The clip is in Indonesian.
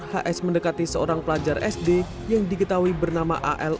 hs mendekati seorang pelajar sd yang diketahui bernama al